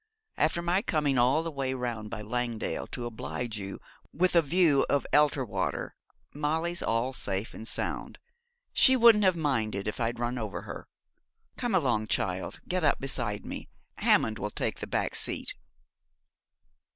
'After my coming all the way round by Langdale to oblige you with a view of Elterwater. Molly's all safe and sound. She wouldn't have minded if I'd run over her. Come along, child, get up beside me, Hammond will take the back seat.'